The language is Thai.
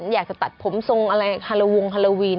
อยากจะตัดผมทรงอะไรฮาโลวงฮาโลวีน